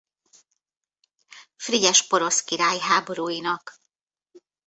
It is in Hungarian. Frigyes porosz király háborúinak.